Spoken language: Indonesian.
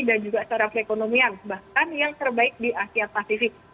dan juga se eb economian bahkan yang terbaik di asia pasifik